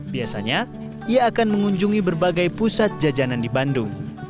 biasanya ia akan mengunjungi berbagai pusat jajanan di bandung